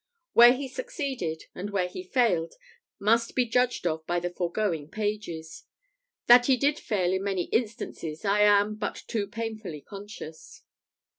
Where he succeeded, and where he failed, must be judged of by the foregoing pages. That he did fail in many instances I am but too painfully conscious.